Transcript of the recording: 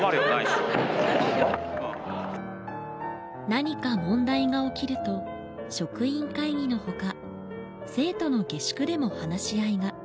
何か問題が起きると職員会議のほか生徒の下宿でも話し合いが。